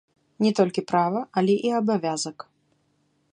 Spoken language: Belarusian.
Не толькі права, але і абавязак.